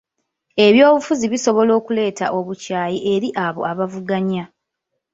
Ebyobufuzi bisobola okuleeta obukyayi eri abo abavuganya.